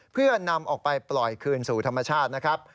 เพื่อนำออกไปปล่อยคืนสู่ธรรมชาตินะครับ